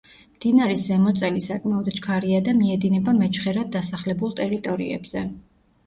მდინარის ზემოწელი საკმაოდ ჩქარია და მიედინება მეჩხერად დასახლებულ ტერიტორიებზე.